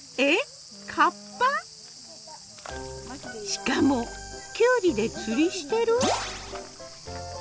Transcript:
しかもきゅうりで釣りしてる？